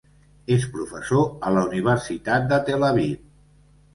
És professor a la Universitat de Tel Aviv.